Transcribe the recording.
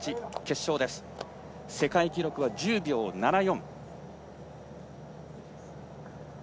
世界記録は１０秒７４。